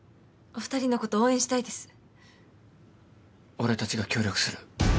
俺たちが協力する。